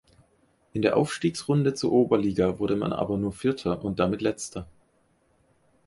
In der Aufstiegsrunde zur Oberliga wurde man aber nur Vierter und damit Letzter.